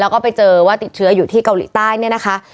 แล้วก็ไปเจอว่าติดเชื้ออยู่ที่เกาหลีใต้เนี่ยนะคะ